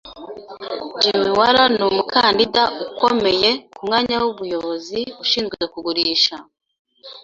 Jim Waller numukandida ukomeye kumwanya wumuyobozi ushinzwe kugurisha.